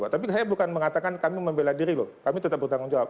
tapi saya bukan mengatakan kami membela diri loh kami tetap bertanggung jawab